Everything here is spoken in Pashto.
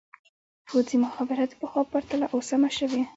پوځي مخابره د پخوا په پرتله اوس سمه شوې.